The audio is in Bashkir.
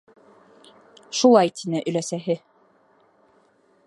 Шулай тине өләсәһе.